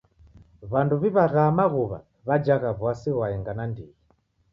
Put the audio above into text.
W'andu w'iw'agha maghuwa w'ajagha w'asi ghwaenga nandighi.